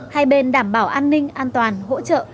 hai bên đảm bảo an ninh an toàn hỗ trợ